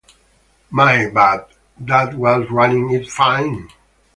My, but that was running it fine!